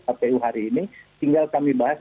kpu hari ini tinggal kami bahas